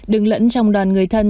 đứng lẫn trong đoàn người thân